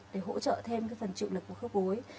để hỗ trợ thêm cái phần chịu lực của khớp gối